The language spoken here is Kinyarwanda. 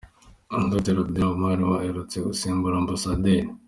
Dr Abdillahi Omar Bouh aherutse gusimbura Amb.